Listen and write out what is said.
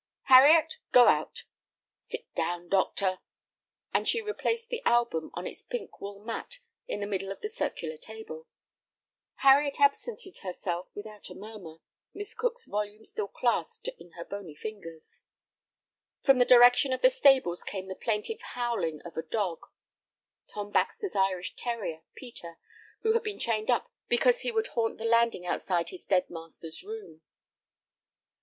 "Harriet, go out. Sit down, doctor," and she replaced the album on its pink wool mat in the middle of the circular table. Harriet absented herself without a murmur, Miss Cook's volume still clasped in her bony fingers. From the direction of the stables came the plaintive howling of a dog, Tom Baxter's Irish terrier, Peter, who had been chained up because he would haunt the landing outside his dead master's room.